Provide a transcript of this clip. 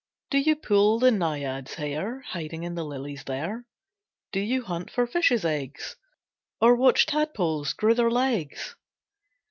Do you pull the Naiads' hair Hiding in the lilies there? Do you hunt for fishes' eggs, Or watch tadpoles grow their legs?